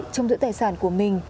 trong giữ tài sản của mình